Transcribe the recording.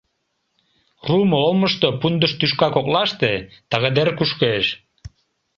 Руымо олмышто, пундыш тӱшка коклаште, тыгыдер кушкеш.